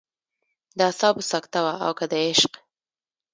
د اعصابو سکته وه او که د عشق.